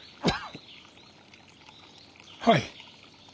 はい。